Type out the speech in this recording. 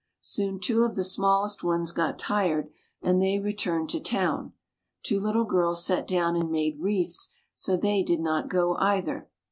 Soon two of the smallest ones got tired and they returned to town; two little girls sat down and made wreaths, so they did not go either.